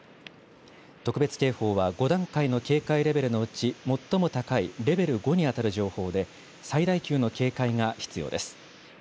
特別警報は５段階の警戒レベルのうち最も高いレベル５に当たる情報で、最大級の警戒が必要です。